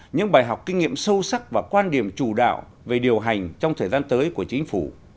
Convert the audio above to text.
những bài học kinh nghiệm sâu sắc và quan điểm chủ đạo về điều hành trong thời gian tới của chính phủ